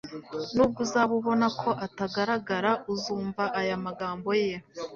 nubwo uzaba ubona ko atagaragara, uzumva aya magambo ye